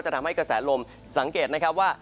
ทำให้กระแสลมสังเกตนะครับว่า